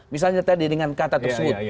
misalnya tadi dengan kata tersebut